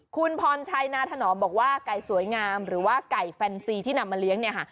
คุณพรชัยนาธนอมบอกว่าไก่สวยงามหรือว่าไก่แฟนซีที่นำมาเลี้ยงเนี่ยค่ะ